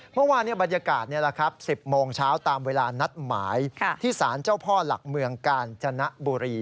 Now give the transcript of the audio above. เมื่อวานบรรยากาศ๑๐โมงเช้าตามเวลานัดหมายที่สารเจ้าพ่อหลักเมืองกาญจนบุรี